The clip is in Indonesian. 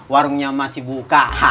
warungnya masih buka